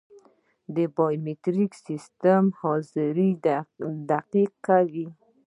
د بایومتریک سیستم حاضري دقیق کوي